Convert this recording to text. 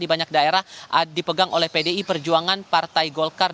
di banyak daerah dipegang oleh pdi perjuangan partai golkar